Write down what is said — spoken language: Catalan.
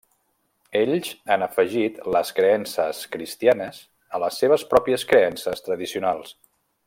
Ells han afegit les creences cristianes a les seves pròpies creences tradicionals.